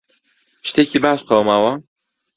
شتێکی باش قەوماوە؟